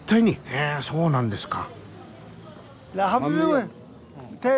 へえそうなんですか。